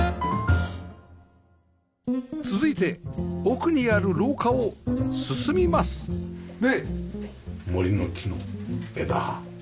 続いて奥にある廊下を進みますで森の木の枝葉。